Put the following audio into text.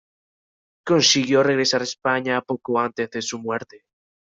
Consiguió regresar a España poco antes de su muerte.